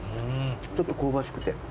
ちょっと香ばしくて。